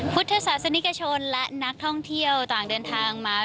พุทธศาสนิกชนและนักท่องเที่ยวต่างเดินทางมา